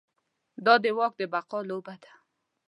دا د واک د بقا لوبه ده.